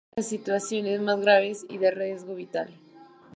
Atiende las situaciones más graves y de riesgo vital.